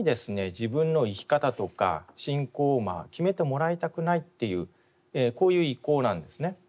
自分の生き方とか信仰を決めてもらいたくないっていうこういう意向なんですね。